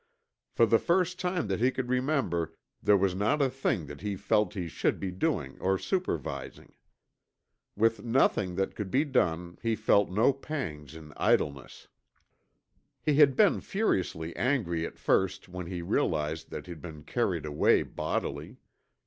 For the first time that he could remember, there was not a thing that he felt he should be doing or supervising. With nothing that could be done, he felt no pangs in idleness. He had been furiously angry at first when he realized that he'd been carried away bodily.